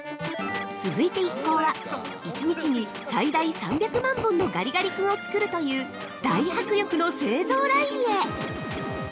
◆続いて一向は、一日に最大３００万本のガリガリ君を作るという大迫力の製造ラインへ。